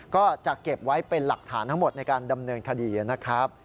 ก็จะเก็บไว้เป็นหลักฐานทั้งหมดในการดำเนินคดีนะครับ